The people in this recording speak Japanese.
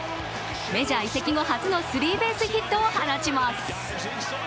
メジャー移籍後初のスリーベースヒットを放ちます。